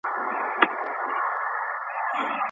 که ئې نکاح ورسره وکړه، نو طلاق واقع سو.